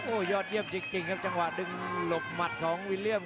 โอ้โหยอดเยี่ยมจริงครับจังหวะดึงหลบหมัดของวิลเลี่ยม